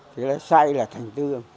thế là xay là thành tương